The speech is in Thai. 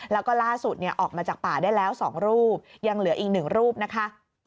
แล้วก็ล่าสุดออกมาจากป่าได้แล้ว๒รูปยังเหลืออีก๑รูปนะคะ